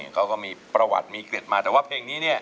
เขาก็มีประวัติมีเกร็ดมาแต่ว่าเพลงนี้เนี่ย